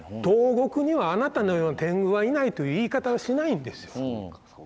東国にはあなたのような天狗はいないという言い方はしないんですよ。